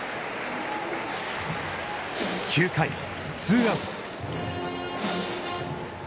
９回、ツーアウト。